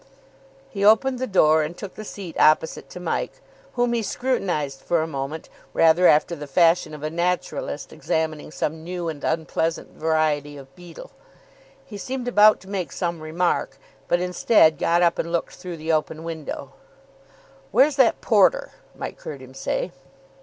He opened the door, and took the seat opposite to Mike, whom he scrutinised for a moment rather after the fashion of a naturalist examining some new and unpleasant variety of beetle. He seemed about to make some remark, but, instead, got up and looked through the open window. "Where's that porter?" Mike heard him say.